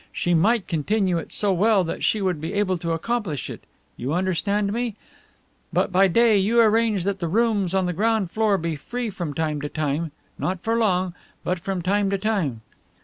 She might continue it so well that she would be able to accomplish it you understand me? But by day you arrange that the rooms on the ground floor be free from time to time not for long, but from time to time.